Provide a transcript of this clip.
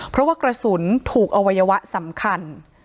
เพราะว่ากระสุนถูกอวัยวะสำคัญ